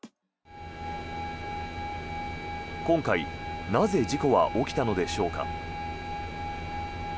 今回、なぜ事故は起きたのでしょうか。